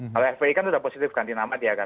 kalau fpi kan sudah positif ganti nama dia kan